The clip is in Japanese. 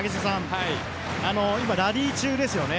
今、ラリー中ですよね